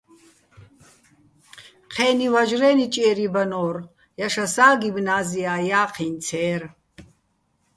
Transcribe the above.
ჴე́ნი ვაჟრე́ ნიჭიერი ბანო́რ, ჲაშასა́ გიმნაზია́ ჲა́ჴიჼ ცე́რ.